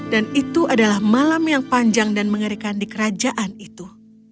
dan itu adalah malam yang panjang dan mengerikan di kerajaan itu